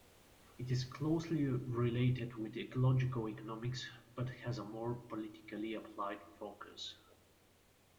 It is closely related with ecological economics, but has a more politically applied focus.